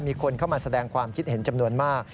มีคนเข้ามาแสดงความคิดเห็นจำนวนมาก